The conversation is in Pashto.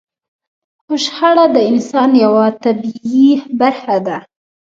خو شخړه د انسان يوه طبيعي برخه ده.